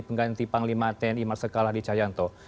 pengganti panglima tni marsikal hadi cahyanto